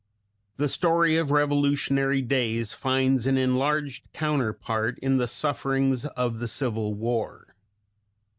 The story of revolutionary days finds an enlarged counterpart in the sufferings of the civil war.